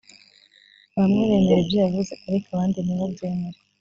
bamwe bemera ibyo yavuze ariko abandi ntibabyemere